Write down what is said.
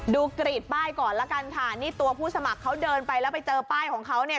กรีดป้ายก่อนละกันค่ะนี่ตัวผู้สมัครเขาเดินไปแล้วไปเจอป้ายของเขาเนี่ย